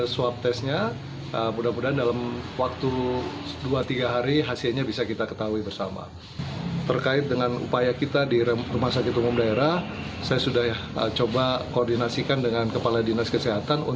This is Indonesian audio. selamat siang pak deddy